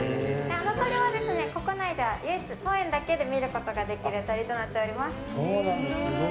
あの鳥は、国内では唯一当園だけで見ることができる鳥となっています。